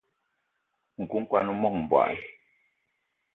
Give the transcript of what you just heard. Nku kwan o mog mbogui.